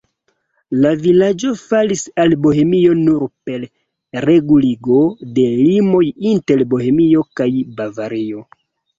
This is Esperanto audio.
La vilaĝo falis al Bohemio nur per reguligo de limoj inter Bohemio kaj Bavario.